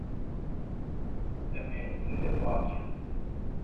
Em ê li ba bikin.